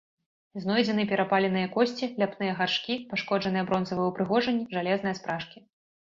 Знойдзены перапаленыя косці, ляпныя гаршкі, пашкоджаныя бронзавыя ўпрыгожанні, жалезныя спражкі.